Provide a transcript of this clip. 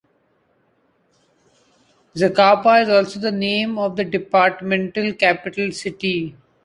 Zacapa is also the name of the departmental capital city.